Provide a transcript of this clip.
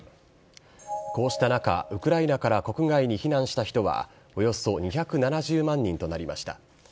こうした中、ウクライナから国外に避難した人は、およそ２７０万人となりました。